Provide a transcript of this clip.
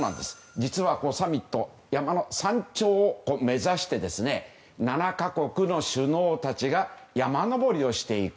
実はサミットは山の山頂を目指して７か国の首脳たちが山登りをしていく。